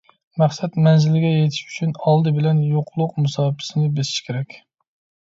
مەقسەت مەنزىلىگە يېتىش ئۈچۈن، ئالدى بىلەن يوقلۇق مۇساپىسىنى بېسىش كېرەك.